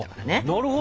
なるほど。